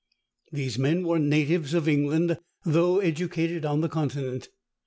These men were natives of England, though educated on the Continent.